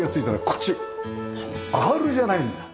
アールじゃないんだ。